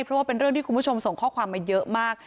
เพราะว่าเป็นเรื่องที่คุณผู้ชมส่งข้อความมาเยอะมาก